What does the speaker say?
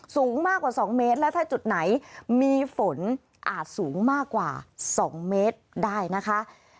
สูงมากกว่า๒เมตรและถ้าจุดไหนมีฝนอาจสูงมากกว่า๒เมตรได้นะคะ